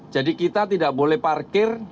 jadi kita tidak boleh parkir